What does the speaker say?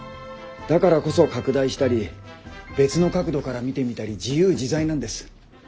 だからこそ拡大したり別の角度から見てみたり自由自在なんです。